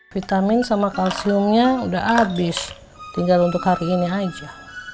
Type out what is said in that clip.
vitamin sama kalsiumnya udah habis tinggal untuk hari ini aja